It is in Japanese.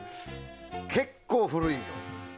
結構、古い。